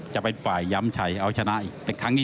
จะเป็นฝ่ายญังไฉเอาชนะอีกคลั้งที่๓